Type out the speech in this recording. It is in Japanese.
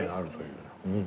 うん。